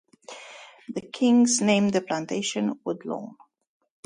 The Kings named the plantation Woodlawn.